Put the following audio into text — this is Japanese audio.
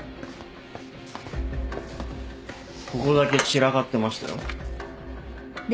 ここだけ散らかってましたよ。